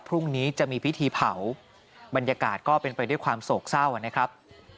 พรุ่งนี้จะมีพิธีเผาบรรยากาศก็เป็นไปด้วยความโศกเศร้านะครับ